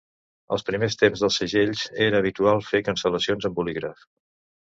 Als primers temps dels segells, era habitual fer cancel·lacions amb bolígraf.